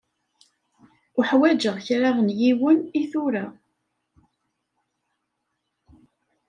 Uḥwaǧeɣ kra n yiwen i tura.